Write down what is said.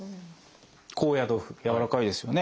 高野豆腐やわらかいですよね。